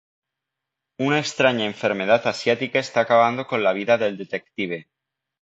Una extraña enfermedad asiática está acabando con la vida del detective.